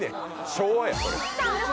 昭和やそれ。